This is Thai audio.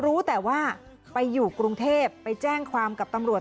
รู้แต่ว่าไปอยู่กรุงเทพไปแจ้งความกับตำรวจ